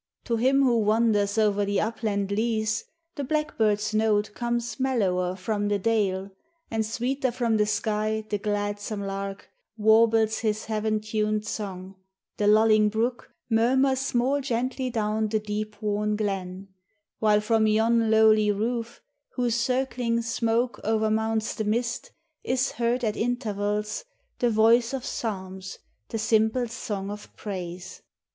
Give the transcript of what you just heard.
To him who wanders o'er the upland leas The blackbird's note comes mellower from the dale ; And sweeter from the sky the gladsome lark Warbles his heaven tuned song; the lulling brook Murmurs more gently down the deep worn glen ; While from yon lowly roof, whose circling smoke O'ermounts the mist, is heard at intervals The voice of psalms, the simple song of praise.